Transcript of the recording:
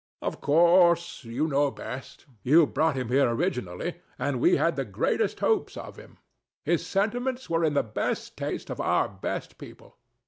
Of course you know best: you brought him here originally; and we had the greatest hopes of him. His sentiments were in the best taste of our best people.